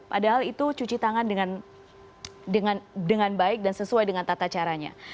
padahal itu cuci tangan dengan baik dan sesuai dengan tata caranya